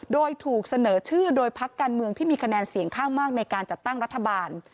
โดยถูกเสนอชื่อโดยพักการเมืองที่มีคะแนนเสียงข้างมากในการจัดตั้งรัฐบาล